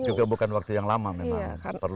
juga bukan waktu yang lama memang